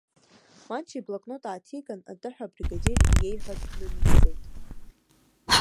Манча иблокнот ааҭиган аттаҳәа абригадир еиҳәаз наниҵеит.